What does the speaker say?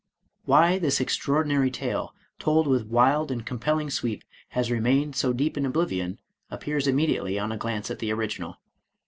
Why this extraordinary tale, told with wild and compelling sweep, has remained so deep in oblivion, appears immediately on a glance at the original.